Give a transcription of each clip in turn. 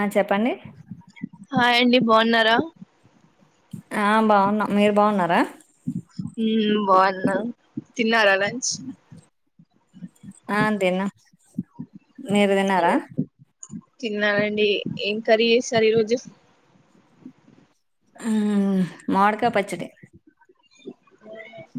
ఆ చెప్పండి. హాయ్ అండి బాగున్నారా ఆ బాగున్న మీరు బాగున్నారా హ్ బాగున్నా తిన్నార లం చ్ ఆ తిన్నాం మీరు తీన్నారా తిన్నానండి. ఏం కర్రీ చేశారు. ఈ రోజు మమీడికాయ పచ్చడి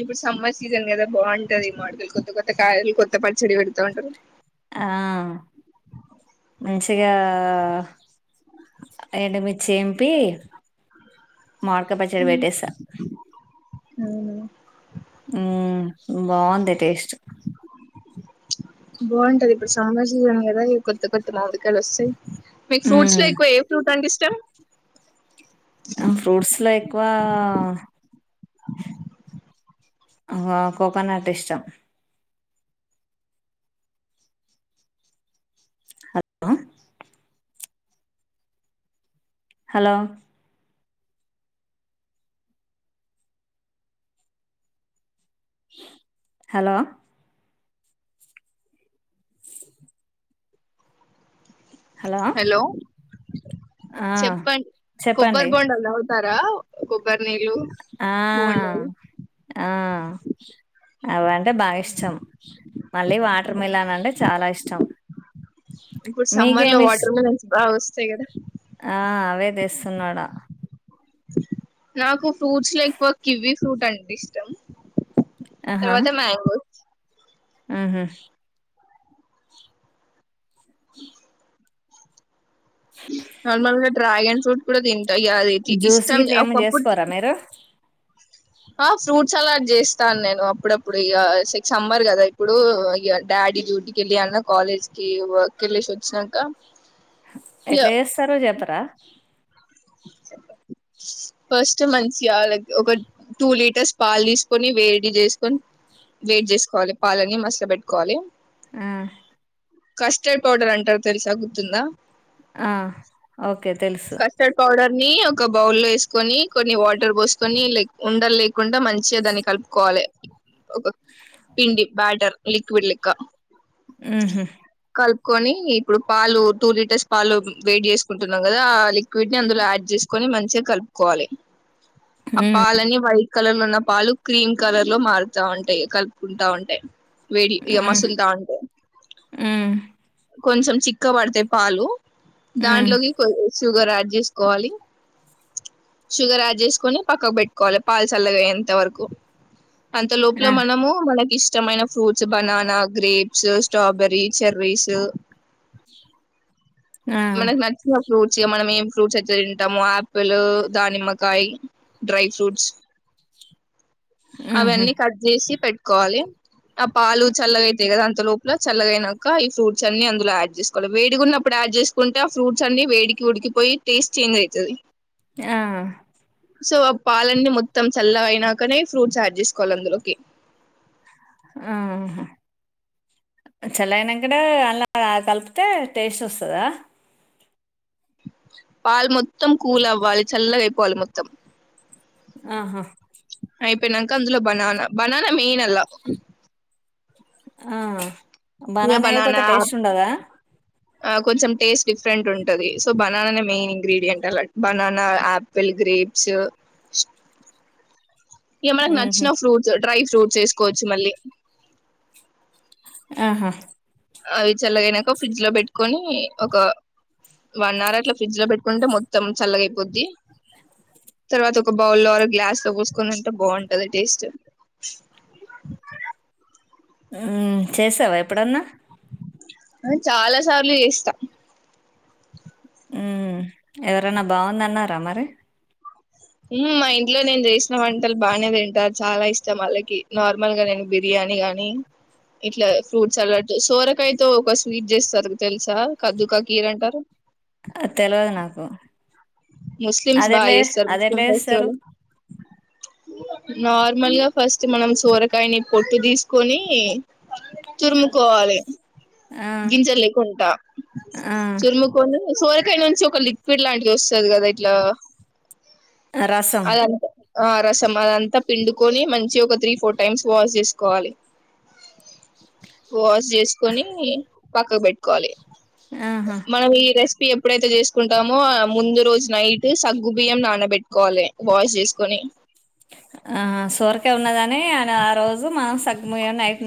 ఇప్పుడు సమ్మర్ సీజన్ కదా బాగుంటది. మామీడికాయలు. కొత్త కొత్త కాయలు కొత్త పచ్చడి పెడుతా ఉంటారు. ఆ ఇగా ఏండు మిర్చి తెంపీ మామీడికాయ పచ్చడ పెట్టేస అవున హ్ బాగుంది. టేస్ట్ బాగుంటది. ఇప్పుడు సమ్మర్ సీజన్ గాదా కొత్త కొత్త మమిడికాయలు ఓస్తాయి. మీకు ఫ్రూట్స్ లో మ్మ్ ఎక్కువ ఏ ఫ్రూట్ అంటే ఇష్టం. ఆ ఫ్రూట్స్ లైక్ వా ఆ కోకోనాట్ ఇష్టం. హలో హలో హలో హలో ఆ చెప్పండి. చెప్పండి కొబ్బరి బోండలు తగు తారా కో ఆ ఆ అవీ అంటే బాగా ఇష్టం. మళ్ళీ వాటర్ మిలాన్ అంటే చాలా ఇ ష్టం ఇప్పుడు సమ్మర్ లో వాటర్ మిలన్స్ బాగా వస్తయి స కదా ఆ అవే తెస్తున్నాడా నాకు ఫ్రూట్ లో ఎక్కో కివి ఫ్రూట్ అంటే ఇష్టం ఆహా తరువాత మాంగో ఉహు [inaudible] నార్మల్ డ్రగన్ ఫ్రూట్ కూడా తి జ్యూస్ గ ఇట్లా ఏమ చేసుకోరాా మీరు ఆ ఫ్రూట్స్ సలాడ్ చేస్తాను నేను అప్పుడప్పుడు ఇక సమ్మర్ కదా ఇప్పుడు డాడీ డ్యూటీకి వెళ్ళి అన్న కాలేజ్ కి వర్క్ వెెళ్ళసి వచ్చినాక ఇగ ఎట్ల చేస్తారు చెప్పరా ఫస్ట్ మంచిగా ఒక టూ లీటర్స్ పాలు తీసుకొని వేడి చేసుకొని వేడి చేసుకోవాలి పాలని మసలు పెట్టుకోవాలి హ్మ్మ్ కస్టర్డ్ పౌడర్ అంటారు తెలుసా గుర్తుందా ఆ ఓకే తెలుసు కస్టర్డ్ పౌడర్ ని ఒక బౌల్లో లో వేసుకొని కొన్ని వాటర్ పోసుకొనిక్ ఉండలు లేకుండా మంచి దాన్ని కలుపుకోవాలి ఒక పిండి బ్యాటర్ లిక్విడ్ లెక్క ఉహు కలుపుకొని ఇప్పుడు పాలు టూ లీటర్స్ పాలు వేడి చేసుకుంటున్నాం కదా వీడ్ని అందులో యాడ్ చేసుకొని మంచిగా కలుపుకోవాలి అప్ప ఉమ్ అలాని వై కలర్ లో ఉన్న పాలు క్రీమ్ కలర్ లో మారుతా ఉంటాయి కలుపుకుంటా ఉంటే వేడి యమా ఉమ్ సుల్తన్ంట ఉమ్ కొంచెం చిక్క పడితే పాలు ఉమ్ దాంలోకి కోసి సుగర్ యాడ్ చేసుకోవాలి షుగర్ యాడ్ చేసుకొని పక్కకు పెట్టుకోవాలి పాల్ చల్లగాయేంత వరకు అంత లోపల ఆ మనము మనకి ఇష్టం ఇష్టమైన fruits banana grapes strawberry cherries ఆ మన నచ్చిన ఫూట్ చే మనమేం ఫ్రూట్స్ అయితే తింటాము ఆపిల్ దానిమ్మకాయ డ్రై ఫ్రూట్స్ ఉహు అవన్నీ కట్ చేసి పెట్ కోవాలి ఆ పాలు చల్లగా అయితాయి కదా అంత లోపల చల్లగా అయినాక ఈ ఫ్రూట్స్ అన్ని అందులో యాడ్ చేసుకోవాలి వేడిగా ఉన్నప్పుడు యాడ్ చేసుకుంటే ఆ ఫ్రూట్స్ అన్ని వేడికి ఉడికిపోయి టేస్ట్ చేంజ్ అవుతుది ఆ సో పాలన్నీ మొత్తం చల్లగ అయినాకనే ఫ్రూట్స్ యాడ్ చేసుకోవాలి అందులోకి ఆ హ చల్లయినాక కూడ అందులొ కలిపితే టేస్ట్ వస్తదా పాల్ మొత్తం కూల్ అవ్వాలి చల్ల గై పోవాలి మొత్తం ఆహా అయిపోయినంక అందులో బనాన బనాన మెయిన్ అల ఆ ఇగ బనాన ఏయకపోతే బనానా టేస్ట్ ఉండదా ఆ కొంచెం టేస్ట్ డిఫరెంట్ ఉంటది సో బనానానే main ingredient banana, apple, grapes ఇక మనకి ఉహు నచ్చిన ఫ్రూట్స్ డ్రై ఫ్రూట్స్ వేసుకోవచ్చు మళ్ళీ ఆహా అవి చల్లగా అయినాక ఫ్రిడ్జ్ లో పెట్టుకొని ఒక వన్ అవర్ అట్లా ఫ్రిడ్జ్ లో పెట్టుకుంటే మొత్తం చల్లగైపోద్ది తర్వాత ఒక బౌల్ లో గ్లాస్ లో పోసుకొని తింటే బాగుంటది టేస్ట్ చేసావా ఎప్పుడన్నా అ చాలా సార్లు చేస్తా ఉ ఎవరన్నా బాగుందన్నారా మరి మా ఇంట్లో నేను చేసిన వంటలు బాగానే తింటారు. చాలా ఇష్టం వాళ్ళకి నార్మల్ గా నేను బిర్యానీ గాని ఇట్లా ఫ్రూట్స్ సలాడ్ సోరకాయతో ఒక స్వీట్ చేస్తారు తెలుసా కద్దుకా కీర్ అంటారు. అ తెలవదు నాకు ముస్లిమ్స్ బాగ అదెట్లా చేస్తరు అదెట్లా ముస్లిమ్ చేస్తారు ఫెస్టివల్ నార్మల్ గా ఫస్ట్ మనం సోరకాయని పొట్టు తీసుకొని తురుముకోవాలి ఆ గింజల్లేకుంట ఆ తురుముకొని సో అక్కడి నుంచి ఒక లిక్విడ్ లాంటిది వస్తు స్తది కదా ఇట్లా ఆ రసం అదంతా ఆ రసం అదంతా పిండుకొని మంచి గ ఒక త్రీ ఫోర్ టైమ్స్ వాష్ చేసుకోవాలి వాష్ చేసుకొని పక్కకి పెట్టుకోవాలి ఆహా సిపి ఎప్పుడైతే చేసుకుంట టామో ఆ ముందు నైట్ సగ్గు బియ్యం నానబెట్టుకోవాలి వాష్ చేసుకొని ఆ సొరకాయ ఉన్నదని ఆన ఆ రోజు మనం సగ్గుబియ్యం నైట్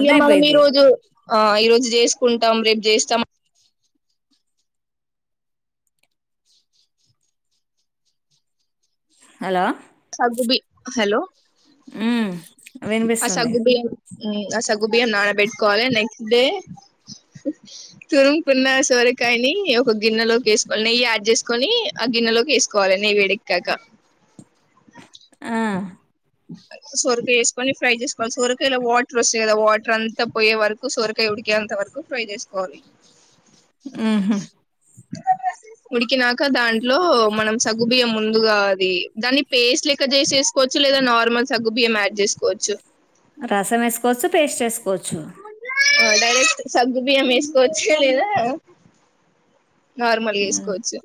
ఇక మనం ఈ అయిపోయిద్ది రోజు ఆ ఈరోజు చేసుకుంటాం రేపు చేస్తాం హలో సగ్గుబి హలో ఉమ్ ఆ వినిపిస్తుంది సగ్గుబియ్యం ఆ సగ్గుబియ్యం నాన బెట్టుకోవాలి నెక్స్ట్ ే తురుంకున్న సొరకాయని ఒక గిన్నెలోకి వేసుకోవాలి నెయ్యి యాడ్ చేసుకొని ఆ గిన్నెలోకి వేసుకోవాలి నెయ్యి వేడి ఎక్కాక ఆ సొరకాయ వేసుకొని ఫ్రై చేసుకోవాలి. సొరకాయలో వాటర్ వస్తాయి కదా వాటర్ అంతా పోయే వరకు సొరకాయ ఉడికేంత వరకు ఫ్రై చేసుకోవాలి. హ్మ్ హు ఉడికినాక దాంట్లో మనం సగుబియ్యం ముందుగా అది దాని పేస్ట్ లెక్క చేసేసుకోవచ్చు లేదా నార్మల్ సగ్గు బియ్యం యాడ్ చేసుకోవచ్చు రసం వేసుకోవచ్చు పేస్ట్ వేసుకోవచ్చు డైరెక్ట్ సగ్గు బియ్యం వేసుకోవచ్చు లేదా నార్మల్ వేసుకోవచ్చు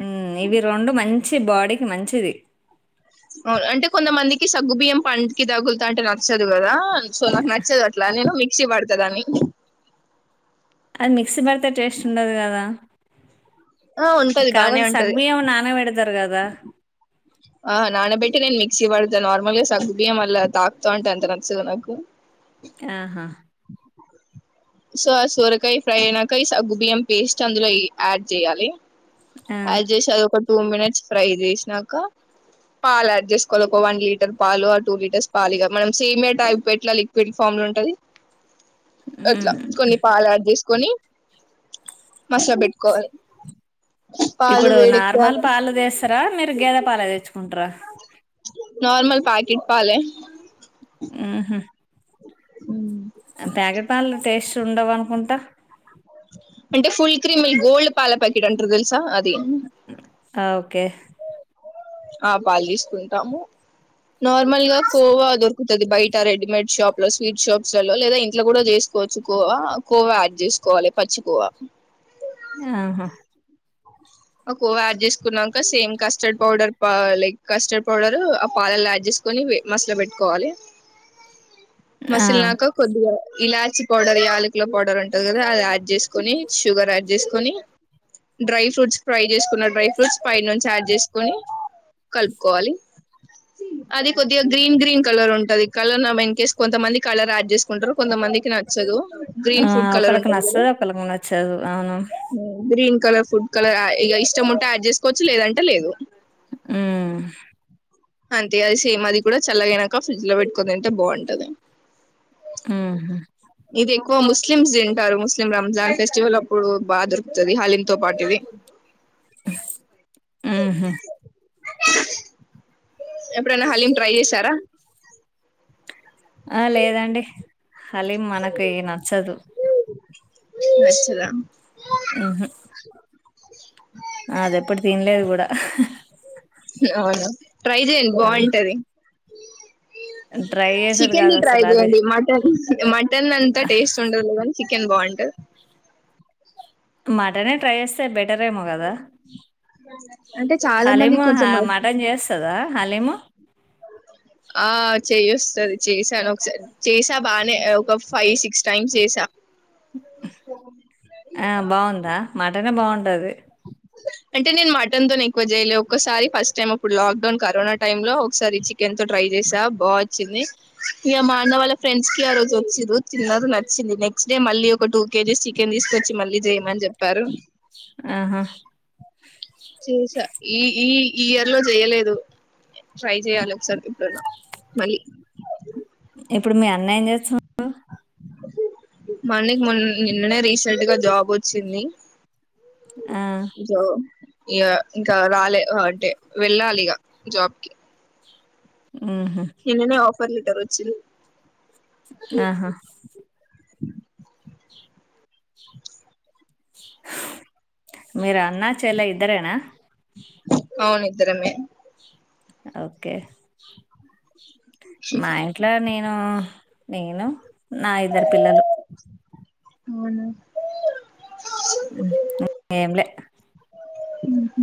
హ్మ్ ఇవి రెండు మంచి బాడీకి మంచిది అంటే కొంతమందికి సగ్గుబియ్యం పంటికి తగులుతా అంటే నచ్చదు కదా సో నాకు నచ్చదు అట్లా నేను మిక్సి పడుతదాన్ని అది మిక్సీ పడితే టేస్ట్ ఉండదు కదా ఆ ఉంటది బానే కావత్ సగ్గు ఉంటది బియ్యం నానాపెడతారు కదా రా ఆ నానా బెట్టి నేను మిక్సీ పడ్తా నార్మల్గా సగ్గు బియం అలా తాక్తా అంటే అంత నచ్చదు నాకు ఆహా సో ఆ సోరకాయ ఫ్రై అయినాయ సగ్గు బియ్యం పేస్ట్ అందులో యాడ్ చేయాలి ఆ యాడ్ చేసి అది ఒక టూ మినిట్స్ ఫ్రై చేసినాక పాలు యాడ్ చేసుకోవాలి ఒక వన్ లీటర్ పాలు ఆ టూ లీటర్స్ పాలు ఇగ మనం సేమియా టైప్ ఎట్లా లిక్విడ్ ఫామ్ లో ఉంటది అట్లా ఉమ్ కొన్ని పాలు యాడ్ చేసి కొని మసా పెట్టుకోవాలి పాలు ఇప్పుడు నార్మల్ వేడెక్కాక పాలు తీస్ సరా మీరు గెదా పాలు తెచ్ కుంట్రా నార్మల్ ప్యాకెట్ పాలే హ్మ్ హు హ్మ్ ప్యాకెట్ పాలు టేస్ట్ ఉండవు అనుకుంటా అంటే ఫుల్ క్రీమ్ గోల్డ్ పాల ప్యాకెట్ అంటారు తెలుసా అది అ ఓకే ఆ పాలు తీసుకుంటాము నార్మల్గా కోవా దొరుకుతది బయట రెడీమేడ్ షాప్ లో స్వీట్ షాప్స్లలో లేదా ఇంట్లో కూడా చేసుకోవచ్చు కోవా కోవా యాడ్ చేసుకోవాలి పచ్చికోవా ఆహా అ కోవా యాడ్ చేసుకున్నాక same custard powder like custard powder ఆ పాలల్లో యాడ్ చేసుకొని మస్ లో పెట్టుకోవాలి ఆ మసిలి నాక కొద్దిగా ఇలాచి పౌడర్ ఈయాలకల పౌడర్ ఉంటంది కదా అది యాడ్ చేసుకొని షుగర్ యాడ్ చేసుకొని డ్రై ఫ్రూట్స్ ఫ్రై చేసుకున్న డ్రై ఫ్రూట్స్ పై నుంచి యాడ్ చేసుకుొని కలుపుకోవాలి అది కొద్దిగా గ్రీన్ గ్రీన్ కలర్ ఉంటంది కలర్ ఇన్ కేేస్ కొంతమంది కలర్ యాడ్ చేసుకుంటారు కొంతమందికి నచ్చదు ఆ గ్రీన్ ఫుడ్ కలర్ ఒకళకి ఉంటది కదా నచ్చదు ఒకళ్ళకి న చదు గ్రీన్ కలర్ ఫుడ్ కలర్ ఇ ఇష్టం ఉంటే అడ్ చేసుకోవచ్చు లేదంటే లేదు ఆ అంతే అది సేమ్ అది కూడా చల్లగానాక ఫ్రిడ్జ్ లో పెట్టుకుని తింటే బాగుంటది ఆ ఇది ఎక్కువ ముస్లిమ్స్ తింటారు ముస్లిం రంజాన్ ఫెస్టివల్ అప్పుడు బాగా దొరుకుతుంది హలీన్ త పాటు ఇది ఆహా ఆ ఎప్పుడైనా హలీం ట్రై చేశారా ఆ లేదండి హలీం మనకి నచ్చదు వచ్చద ఆహ అది ఎప్పుడు తినలేదు కూడా అవును ట్రై చేయండి ఆ బాగుంటది అ ట్రై చేసుడు చికెన్ కాదు అసలు అది ట్రైదివండి మటన్ మటన్ అంత టేస్ట్ ఉండద ఇవన్ చికెన్ బాంట మటనే ట్రై చేస్తాయి బెట్ ర ఏమో కదా అంటే చాలా మంది హలీము కొంచెం మటన్ చేస్తుందా హలీము ఆ చేయిస్తుంది చేసాను ఒకసారి చేసా బాగానే ఒక ఫైవ్ సిక్స్ టైమ్స్ చేసా తీ ఉండది అంటే నేను మటన్ తో ఎక్కువ చేయలేదు ఒసారి ఫస్ట్ టైమ్ అప్పుడు లాక్డౌన్ కరోనా టైమ్ లో ఒకసారి చికెన్ తో ట్రై చేసా బాగా వచ్చింది ఇక మా అన్న వాళ్ళ ఫ్రెండ్స్ కి ఆ రోజు వచ్చిారు త చిన్నారు నచ్చింది నెక్స్ట్ డే మళ్ళీ ఒక టూ కేజీస్ చికెన్ తీసుకొచ్చి మళ్ళీ చేయమని చెప్పారు ఆహా చేసా ఈ ఈ ఈ ఇయర్ లో చేయలేదు ట్రై చేయాలి ఒకసారి ఇప్పుడున్న మళ్ళీ ఇప్పుడు మీ అన్యం చేస్తాం మన్నకి మొ నిన్ననే రీసెంట్గా జాబ్ వచ్చింది ఆ ఇక ఇంకా రాలే అంటే వెళ్ళాలి ఇక జాబ్కి ఆహ పంటారు వచ్చిన్ ఆహా మీరు అన్నాచ ఎలా ఇరేనా అవును ఇత్రరమే ఒకే మా ఇంట్లో నేను నేను నా ఇద్దరు పిల్లలు అవును ఏమ్లే ఊహు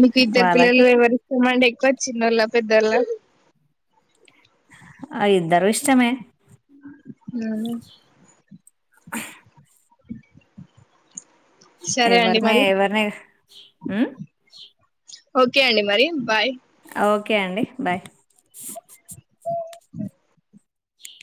మీకు ఇద్దరు వాళ్ళకు పిల్లల్లో ఎవరిస్తమండి ఒకర్ చిన్నోల్ల పెద్దోళ్ల ఆ ఇద్దరు ఇష్టమే హ్మ్ [inaudible] [inaudible] సరే అండి ఎవరిమే మరి ఎవరిని ఓకే అండి మరి బాయ్ ఓకే అండి బాయ్